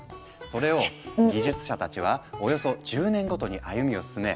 それを技術者たちはおよそ１０年ごとに歩みを進め